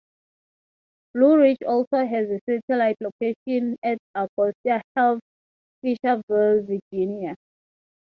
Blue Ridge also has a satellite location at Augusta Health in Fishersville, Virginia.